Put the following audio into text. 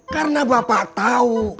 karena bapak tau